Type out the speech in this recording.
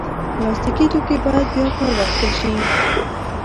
پلاستيکي توکي باید بیا کار واخیستل شي.